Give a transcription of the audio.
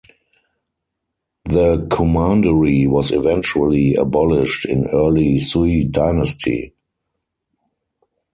The commandery was eventually abolished in early Sui dynasty.